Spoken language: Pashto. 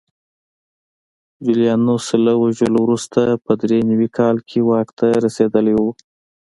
جولیانوس له وژلو وروسته په درې نوي کال کې واک ته رسېدلی و